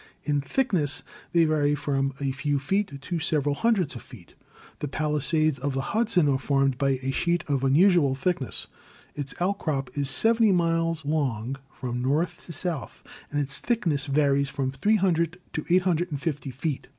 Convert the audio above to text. In thick ness they vary from a few feet to several hundreds of feet. The Palisades of the Hudson are formed by a sheet of unusual thickness; its outcrop is 70 miles long from north to south, and its thickness varies from 300 to 850 feet.